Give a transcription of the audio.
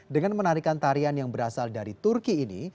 dengan menarikan tarian yang berasal dari turki ini